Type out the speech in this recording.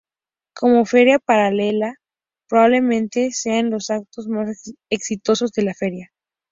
Como feria paralela, probablemente sean los actos más exitosos de la feria.